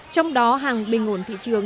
trong đó hàng bình ổn thị trường